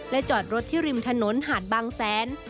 จอดรถที่ริมถนนหาดบางแสน